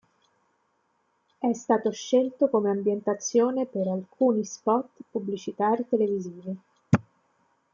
È stato scelto come ambientazione per alcuni spot pubblicitari televisivi.